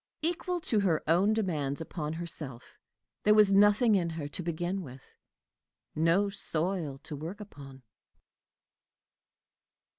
Equal to her own demands upon herself, there was nothing in her to begin with no soil to work upon.